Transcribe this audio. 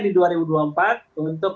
di dua ribu dua puluh empat untuk